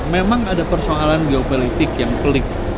memang ada persoalan geopolitik yang pelik